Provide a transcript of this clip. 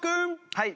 はい。